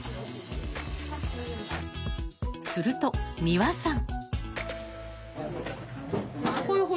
すると三和さん。